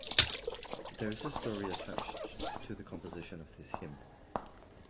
There is a story attached to the composition of this Hymn.